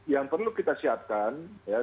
yang perlu kita siapkan